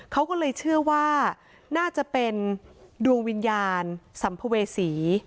เขาก็เลยเชื่อว่าน่าจะเป็นดวงวิญญาณสัมภเวษี